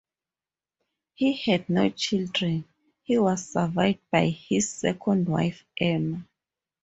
He had no children; he was survived by his second wife Emma.